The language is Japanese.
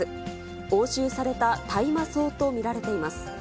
押収された大麻草と見られています。